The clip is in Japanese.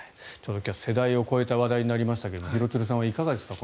世代を超えた話題になりましたが廣津留さんはいかがですか？